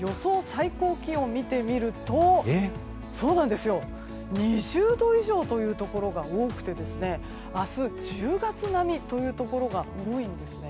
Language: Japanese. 最高気温を見てみると２０度以上というところが多くてですね明日、１０月並みというところが多いんですね。